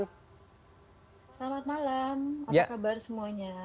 selamat malam apa kabar semuanya